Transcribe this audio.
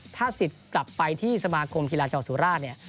ถ้าสิทธิ์กลับไปที่สมาคมกีฬาจังหวัดสุราชเนี่ย